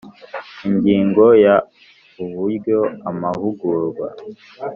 Ingingo ya uburyo amahugurwa